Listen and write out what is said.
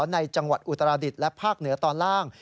ในจังหวัดอุตราดิษฐ์และภาคเหนือตอนล่าง